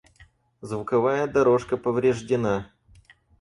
Звуковая дорожка повреждена.